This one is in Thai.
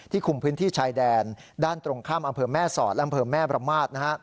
คุมพื้นที่ชายแดนด้านตรงข้ามอำเภอแม่สอดและอำเภอแม่ประมาท